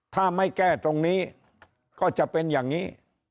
ถ้าไม่แก้ตรงนี้ก็จะเป็นอย่างนี้